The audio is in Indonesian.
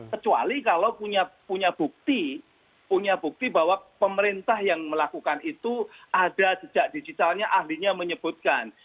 kecuali kalau punya bukti punya bukti bahwa pemerintah yang melakukan itu ada jejak digitalnya ahlinya menyebutkan